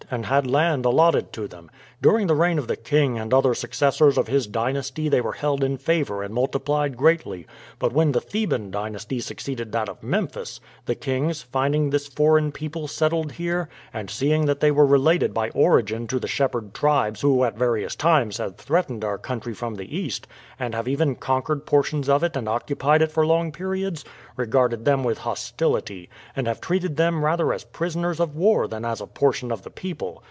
and had land allotted to them. During the reign of the king and other successors of his dynasty they were held in favor and multiplied greatly; but when the Theban dynasty succeeded that of Memphis, the kings, finding this foreign people settled here, and seeing that they were related by origin to the shepherd tribes who at various times have threatened our country from the east, and have even conquered portions of it and occupied it for long periods, regarded them with hostility, and have treated them rather as prisoners of war than as a portion of the people.